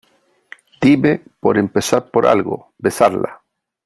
dime . por empezar por algo , besarla .